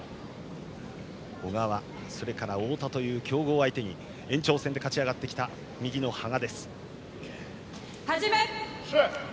小川、それから太田という強豪を相手に延長戦で勝ち上がってきた羽賀。